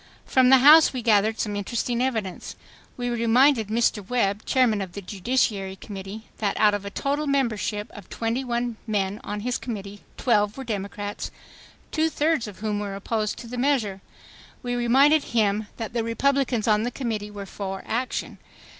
From the House we gathered some interesting evidence. We reminded Mr. Webb, Chairman of the Judiciary Committee, that out of a total membership of twenty one men on his committee, twelve were Democrats, two thirds of whom were opposed to the measure; we reminded him that the Republicans on the committee were for action.